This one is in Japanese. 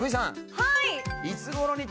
はい。